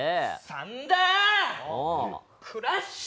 サンダーおおフラッシュ！